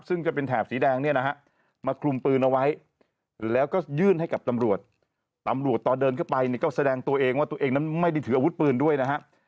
ซึ่งจะเป็นแถบสีแดงเนี่ยนะฮะมาคลุมปืนเอาไว้แล้วก็ยื่นให้กับตำรวจตำรวจตอนเดินเข้าไปเนี่ยก็แสดงตัวเองว่าตัวเองนั้นไม่ได้ถืออาวุธปืนด้วยนะฮะ